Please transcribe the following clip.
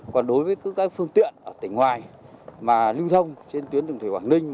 còn đối với các phương tiện ở tỉnh ngoài lưng sông trên tuyến đường thủy quảng ninh